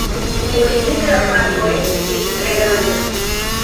Origine la parko estis tre granda.